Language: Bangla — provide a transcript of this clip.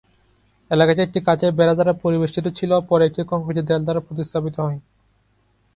এলাকাটি একটি কাঠের বেড়া দ্বারা পরিবেষ্টিত ছিল, পরে একটি কংক্রিটের দেয়াল দ্বারা প্রতিস্থাপিত হয়।